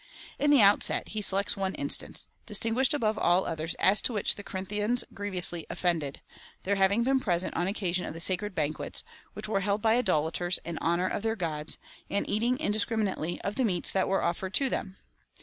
In the outset, he selects one instance, distinguished above all the others, as to which the Corinthians grievously offended — their having been present on occasion of the sacred banquets, which were held by idolaters in honour of their gods, and eating in discriminately of the meats that were offered to them.